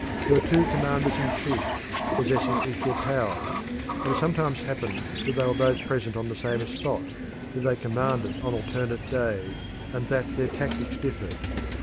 There were two commanders in chief, possessing equal powers, and it sometimes happened that they were both present on the same spot, that they commanded on alternate days, and that their tactics differed.